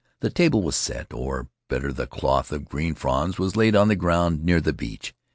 The table was set or, better, the cloth of green fronds was laid on the ground near the beach.